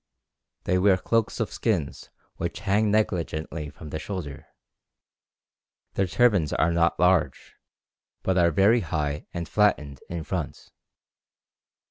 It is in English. They wear cloaks of skins which hang negligently from the shoulder. Their turbans are not large, but are very high and flattened in front.